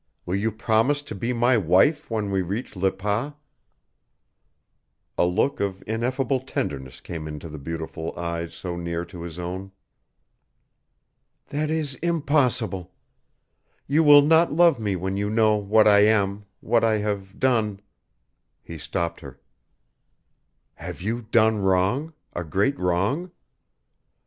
Will you promise to be my wife when we reach Le Pas?" A look of ineffable tenderness came into the beautiful eyes so near to his own. "That is impossible. You will not love me when you know what I am what I have done " He stopped her. "Have you done wrong a great wrong?"